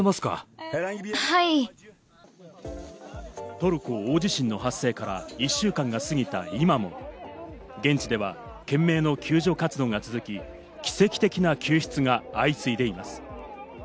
トルコ大地震の発生から１週間が過ぎた今も現地では懸命の救助活動が続き、奇跡的な救出が相次いでいます。